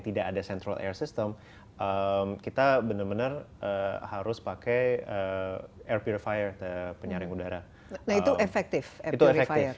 kita benar benar harus pakai air purifier penyaring udara nah itu efektif itu efektif